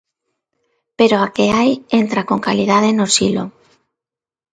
Pero a que hai entra con calidade no silo.